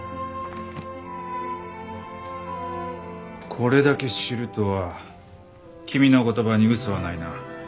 これだけ知るとは君の言葉に嘘はないな。